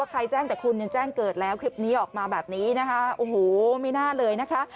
แจ้งแต่คุณแจ้งเกิดแล้วคลิปนี้ออกมาแบบนี้นะคะโอ้โหไม่น่าเลยนะคะ